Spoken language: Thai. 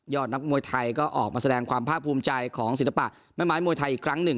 นักมวยไทยก็ออกมาแสดงความภาคภูมิใจของศิลปะแม่ไม้มวยไทยอีกครั้งหนึ่ง